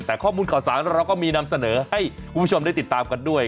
แต่ข้อมูลข่าวสารเราก็มีนำเสนอให้คุณผู้ชมได้ติดตามกันด้วย